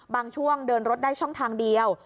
บางช่วงเดินรถได้ช่องทางเดียว